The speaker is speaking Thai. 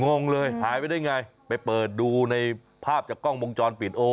งงเลยหายไปได้ไงไปเปิดดูในภาพจากกล้องวงจรปิดโอ้